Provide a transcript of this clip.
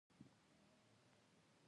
له ملکه یې وشړم.